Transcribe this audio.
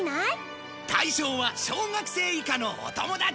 対象は小学生以下のお友達。